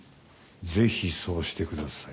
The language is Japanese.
ぜひそうしてください。